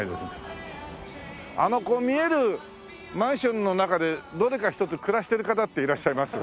あの見えるマンションの中でどれか一つ暮らしてる方っていらっしゃいます？